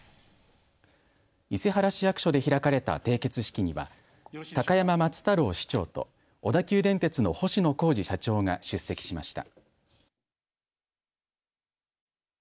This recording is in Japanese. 伊勢原市役所で開かれた締結式には高山松太郎市長と小田急電鉄の星野晃司社長が出席しました。